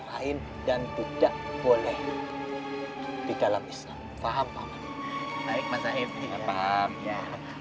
lain dan tidak boleh di dalam islam paham baik masa ini paham ya